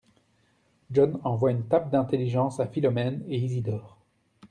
John envoie une tape d’intelligence à Philomèle et Isidore.